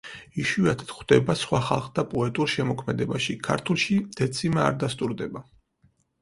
იშვიათად გვხვდება სხვა ხალხთა პოეტურ შემოქმედებაში, ქართულში დეციმა არ დასტურდება.